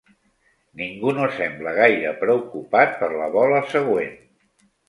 Ningú no sembla gaire preocupat per la bola següent.